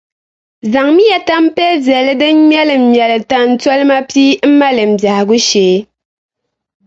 Zaŋmiya tampiɛl’ viɛlli din ŋmɛliŋmɛli tantolima pia m-mali m biɛhigu shee.